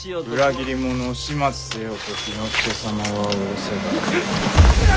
「裏切り者を始末せよ」と氷ノ介様は仰せだ。